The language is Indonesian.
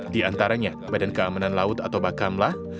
di antaranya badan keamanan laut atau bakamlah